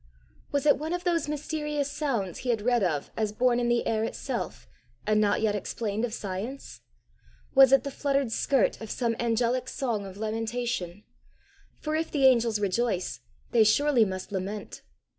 Was it one of those mysterious sounds he had read of as born in the air itself, and not yet explained of science? Was it the fluttered skirt of some angelic song of lamentation? for if the angels rejoice, they surely must lament!